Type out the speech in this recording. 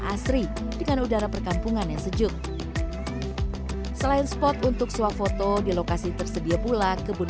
asri dengan udara perkampungan yang sejuk selain spot untuk suap foto di lokasi tersedia pula kebun